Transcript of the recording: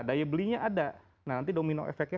daya belinya ada nah nanti domino efeknya